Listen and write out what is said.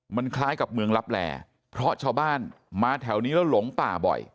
มันคล้ายกับเมืองลับแหล่เพราะชาวบ้านมาแถวนี้แล้วหลงป่าบ่อย